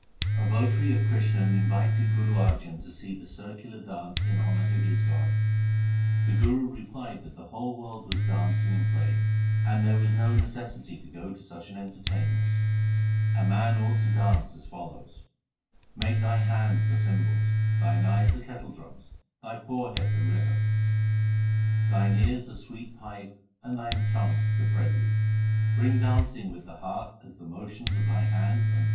A votary of Krishan invited Guru Arjan to see the circular dance in honour of his god. The Guru replied that the whole world was dancing and playing, and there was no necessity to go to such an enter tainment. A man ought to dance as follows : Make thy hands the cymbals, thine eyes the kettledrums, thy forehead the rebeck, Thine ears the sweet pipe, and thy tongue the prelude.